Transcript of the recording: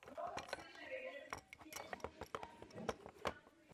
Dnes se v areálu školy nacházejí dvě expozice.